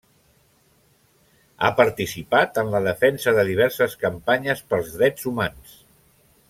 Ha participat en la defensa de diverses campanyes pels drets humans.